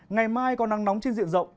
ngày mai có nắng nóng trên diện rộng